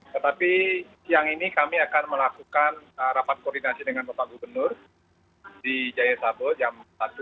tetapi siang ini kami akan melakukan rapat koordinasi dengan bapak gubernur di jaya sabo jam satu